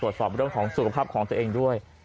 ตรวจสอบเรื่องของสุขภาพของตัวเองด้วย